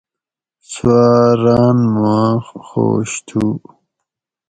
سوآں ران ما خوش تُھو